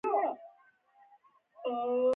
د خپلو تولیداتو په اړه په خپله تصمیم ونیسي.